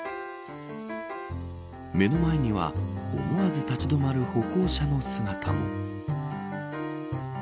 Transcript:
目の前には思わず立ちどまる歩行者の姿も。